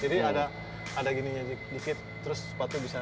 jadi ada gininya dikit terus sepatu bisa